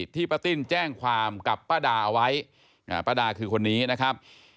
ป้าติ้นแจ้งความกับป้าดาเอาไว้ป้าดาคือคนนี้นะครับ